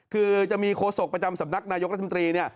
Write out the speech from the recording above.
คือจะมีโคศกประจำสำนักนายกรัฐมนตรี